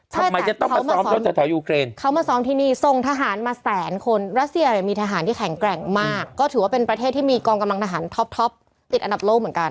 ใช่ค่ะเขามาซ้อมที่นี่ที่ส่งทหารมาแสนคนรัสเซียมีทหารที่แข็งแกร่งมากก็ถือว่าเป็นประเทศที่มีกองกำลังทหารท็อปท็อปติดอันดับโลกเหมือนกัน